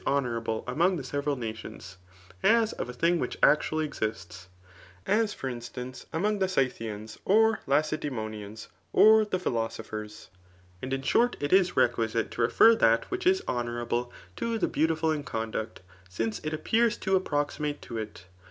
honourable among the several nations, as of a thing which actually exists } as for instance, among the Scythians, or Lacedartmonjan^ or the philosophers^ And in short it is requisite to refer thiA which is honourable to the beautiful in conduct ; since it appears to approximate to it.